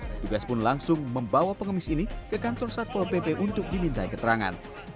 petugas pun langsung membawa pengemis ini ke kantor satpol pp untuk dimintai keterangan